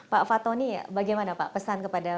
pak fatoni bagaimana pak pesan kepada